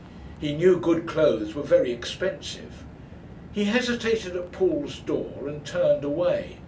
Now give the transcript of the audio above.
He knew good clothes were very expensive. He hesitated at Poole's door and turned away.